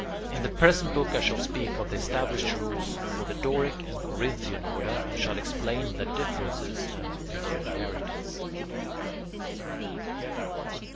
In the present book I shall speak of the established rules for the Doric and Corinthian orders, and shall explain their differences and peculiarities.